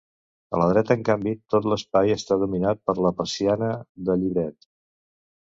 A la dreta en canvi, tot l'espai està dominat per la persiana de llibret.